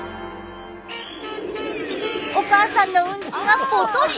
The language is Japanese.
お母さんのウンチがポトリ。